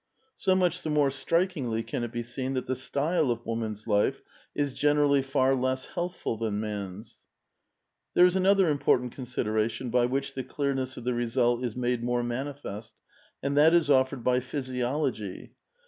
'' So much the more striking:! v can it be seen that the stvle of woman's life is generally far less healthful than man's !"" There is another important consideration by which the clearness of the result is made more manifest, and that is offered by physiology.